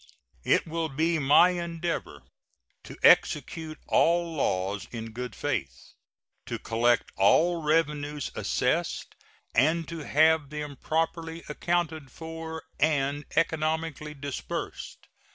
It will be my endeavor to execute all laws in good faith, to collect all revenues assessed, and to have them properly accounted for and economically disbursed.